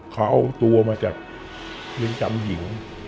เขาเอาตัวมาจากลิงจำหญิง